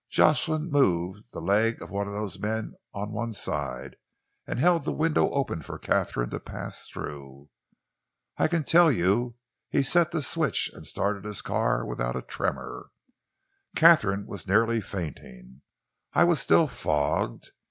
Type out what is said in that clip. Jocelyn moved the leg of one of those men on one side and held the window open for Katharine to pass through. I tell you he set the switch and started his car without a tremor. Katharine was nearly fainting. I was still fogged.